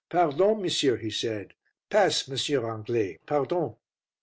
"Pardon, monsieur," he said. "Pass, Monsieur Anglais, pardon!"